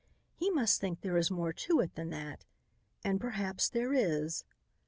He must think there is more to it than that and perhaps there is.